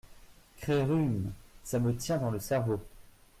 Cré rhume !… ça me tient dans le cerveau !